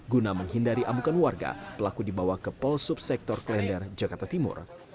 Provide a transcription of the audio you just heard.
guna menghindari amukan warga pelaku dibawa ke polsub sektor klender jakarta timur